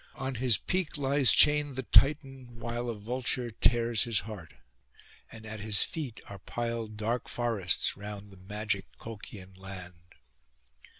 On his peak lies chained the Titan, while a vulture tears his heart; and at his feet are piled dark forests round the magic Colchian land.